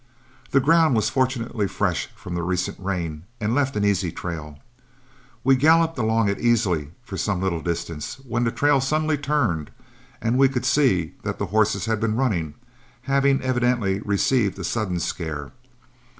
The ground was fortunately fresh from the recent rain and left an easy trail. We galloped along it easily for some little distance, when the trail suddenly turned and we could see that the horses had been running, having evidently received a sudden scare.